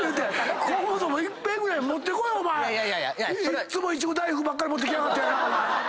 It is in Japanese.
いっつもいちご大福ばっかり持ってきやがってやな。